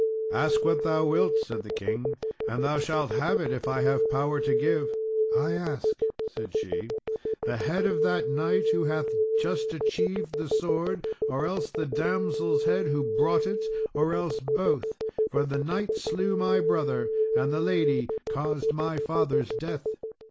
"Ask what thou wilt," said the king, "and thou shalt have it, if I have power to give." "I ask," said she, "the head of that knight who hath just achieved the sword, or else the damsel's head who brought it, or else both; for the knight slew my brother, and the lady caused my father's death."